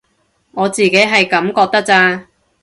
我自己係噉覺得咋